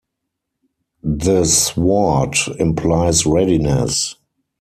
The sword implies readiness.